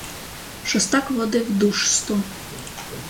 Шостак водив душ сто.